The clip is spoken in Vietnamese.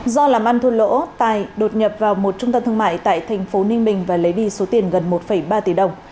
do làm ăn thu lỗ tài đột nhập vào một trung tâm thương mại tại tp ninh bình và lấy đi số tiền gần một ba tỷ đồng